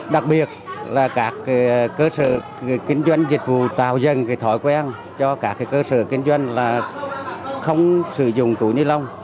đặc biệt là các cơ sở kinh doanh dịch vụ tạo dần cái thói quen cho các cơ sở kinh doanh là không sử dụng túi ni lông